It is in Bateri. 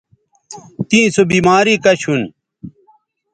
تیں سو بیماری کش ھون